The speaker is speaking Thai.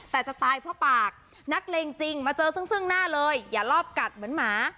แต่จะตายเพราะปากนักเลงจริงมาเจอซึ่งหน้าเลยอย่ารอบกัดเหมือนหมา